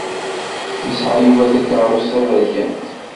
Yesɛa Yuba takeṛṛust d taberkant.